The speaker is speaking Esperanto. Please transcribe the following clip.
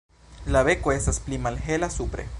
La beko estas pli malhela supre.